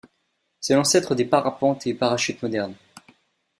C'est l'ancêtre des parapentes et parachutes modernes.